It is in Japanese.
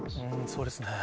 そうですね。